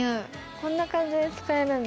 こんな感じで使えるんだ。